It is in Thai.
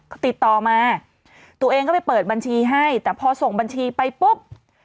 ก็ติดต่อมาตัวเองก็ไปเปิดบัญชีให้แต่พอส่งบัญชีไปปุ๊บ